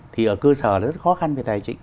thì ở cơ sở rất khó khăn về tài chính